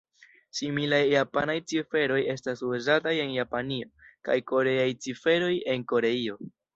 Similaj japanaj ciferoj estas uzataj en Japanio kaj koreaj ciferoj en Koreio.